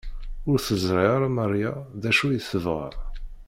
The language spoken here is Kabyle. Ur teẓri ara Maria d acu i tebɣa.